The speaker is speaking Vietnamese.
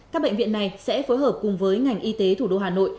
các bệnh viện này sẽ phối hợp cùng với ngành y tế thủ đô hà nội